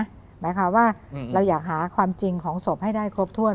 หมายความว่าเราอยากหาความจริงของศพให้ได้ครบถ้วน